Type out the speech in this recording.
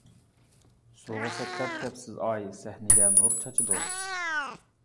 سۇغا سەكرەپ كەپسىز ئاي، سەھنىگە نۇر چاچىدۇ.